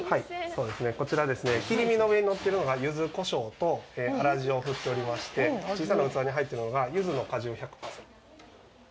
そうですね、こちらですね、切り身の上にのってるのが柚子胡椒と粗塩を振っておりまして、小さな器に入ってるのが、柚子の果汁１００％です。